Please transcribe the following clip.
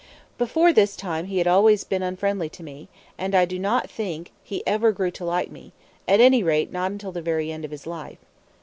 Before this time he had always been unfriendly to me; and I do not think he ever grew to like me, at any rate not until the very end of his life.